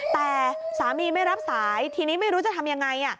แต่สามีไม่รับสายทีนี้ไม่รู้จะทำยังไง